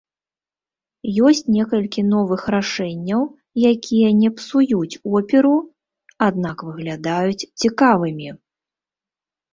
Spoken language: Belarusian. Ёсць некалькі новых рашэнняў, якія не псуюць оперу, аднак выглядаюць цікавымі.